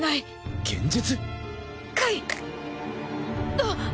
あっ！